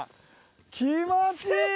気持ちいい！